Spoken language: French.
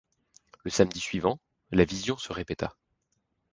Le samedi suivant, la vision se répéta.